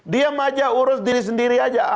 diam aja urus diri sendiri aja